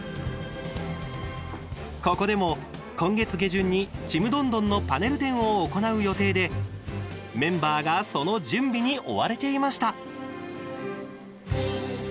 ここでも、今月下旬に「ちむどんどん」のパネル展を行う予定でメンバーがその準備に追われていました。